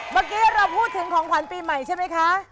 เมื่อกี้เราพูดถึงของขวัญปีใหม่ใช่ไหมคะ